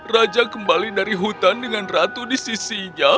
raja kembali dari hutan dengan ratu di sisinya